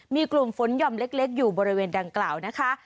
มีกลุ่มฝนหย่อมเล็กอยู่บริเวณดังกล่าวนะคะ